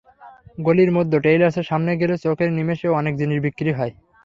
গলির মধ্যে টেইলার্সের সামনে গেলে চোখের নিমেষে অনেক জিনিস বিক্রি হয়।